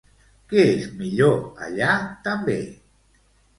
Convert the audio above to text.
Què és millor allà també?